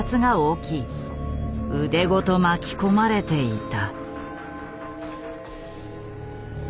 腕ごと巻き込まれていた。